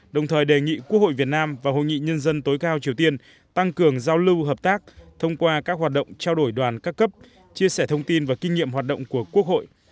đồng thời đề nghị quốc hội việt nam và hội nghị nhân dân tối cao triều tiên tăng cường giao lưu hợp tác thông qua các hoạt động trao đổi đoàn các cấp chia sẻ thông tin và kinh nghiệm hoạt động của quốc hội